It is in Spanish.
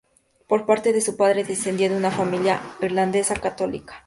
Por parte de su padre, descendía de una familia irlandesa católica.